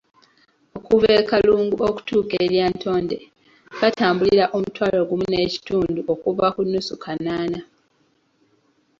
Okuva e Kalungu okutuuka e Lyatonde batambulira omutwalo gumu n'ekitundu okuva ku nnusu kanaana.